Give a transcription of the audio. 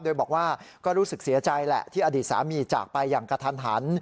โดยบอกว่าก็รู้สึกเสียใจแหละที่อดีตสามีจากไปอย่างกระทันหัน